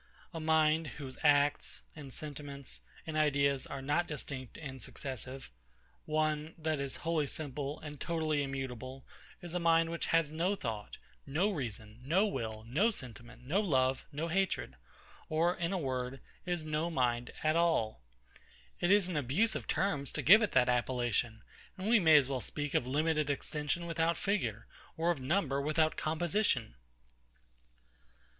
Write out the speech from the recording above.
A mind, whose acts and sentiments and ideas are not distinct and successive; one, that is wholly simple, and totally immutable, is a mind which has no thought, no reason, no will, no sentiment, no love, no hatred; or, in a word, is no mind at all. It is an abuse of terms to give it that appellation; and we may as well speak of limited extension without figure, or of number without composition.